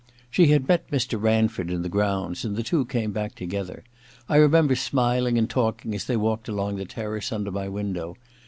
She had met Mr. Ranford in the grounds, and the two came back together, I remember, smiling and talking as they walked along the terrace under my window.